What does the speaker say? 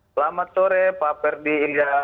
selamat sore pak perdi ilyas